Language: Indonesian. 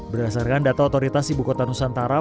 berdasarkan data otoritas ibu kota nusantara